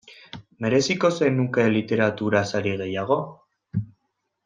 Mereziko zenuke literatura sari gehiago?